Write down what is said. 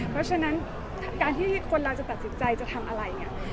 เพราะฉะนั้นการที่คนเราจะตัดสินใจจะทำอะไรเนี่ย